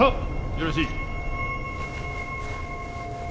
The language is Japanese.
よろしい。